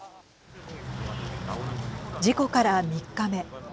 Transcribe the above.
事故から３日目。